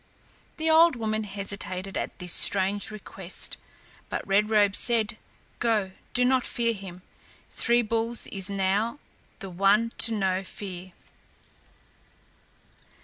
The old woman hesitated at this strange request, but Red Robe said: "Go, do not fear him; Three Bulls is now the one to know fear."